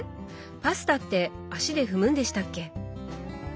パスタって足で踏むんでしたっけ？